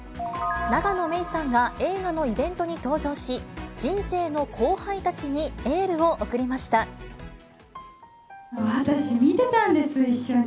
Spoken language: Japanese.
永野芽郁さんが映画のイベントに登場し、人生の後輩たちにエール私、見てたんです、一緒に。